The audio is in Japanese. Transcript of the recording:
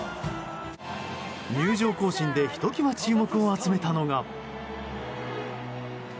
入場行進でひときわ注目を集めたのが。